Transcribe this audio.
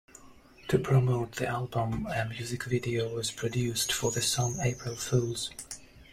To promote the album, a music video was produced for the song "April Fools".